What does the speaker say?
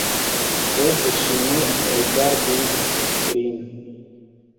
Sed ŝi ne rigardis lin.